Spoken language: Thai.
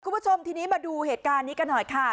คุณผู้ชมทีนี้มาดูเหตุการณ์นี้กันหน่อยค่ะ